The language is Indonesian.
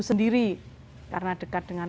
sendiri karena dekat dengan